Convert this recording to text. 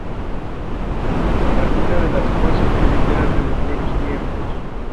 Es alguna de las cosas que le quedan de los buenos tiempos.